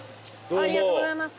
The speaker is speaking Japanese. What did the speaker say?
ありがとうございます。